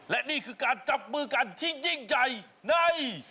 และนี่คือการจับมือกันที่ยิ่งใหญ่ใน